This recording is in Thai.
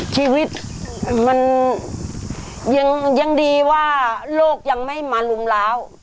ชีวิตมันยังดีว่าโลกยังไม่มารุมร้าว